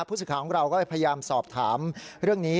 ผู้ศึกษาของเราก็พยายามสอบถามเรื่องนี้